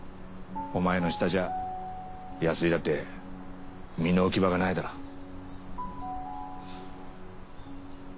お前の下じゃ安井だって身の置き場がないだろう。